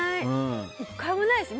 １回もないです